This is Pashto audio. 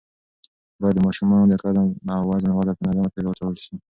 باید د ماشومانو د قد او وزن وده په منظمه توګه وڅارل شي.